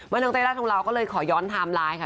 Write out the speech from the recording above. มาตั้งใจรักษ์ของเราก็เลยขอย้อนไทม์ไลน์